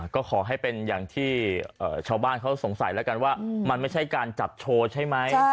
ก็ขอให้เป็นอย่างที่ชาวบ้านเขาสงสัยแล้วกันว่ามันไม่ใช่การจับโชว์ใช่ไหม